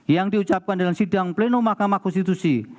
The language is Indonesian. yang diucapkan dalam sidang pleno mahkamah konstitusi